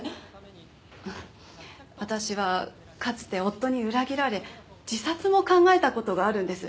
私はかつて夫に裏切られ自殺も考えた事があるんです。